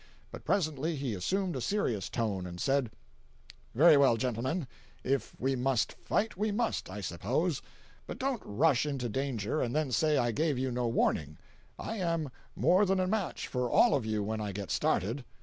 But presently he assumed a serious tone, and said: "Very well, gentlemen, if we must fight, we must, I suppose. But don't rush into danger and then say I gave you no warning. I am more than a match for all of you when I get started.